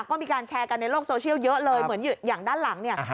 ก็มีการแชร์กันในโลกโซเชียลเยอะเลยเหมือนอย่างด้านหลังเนี่ย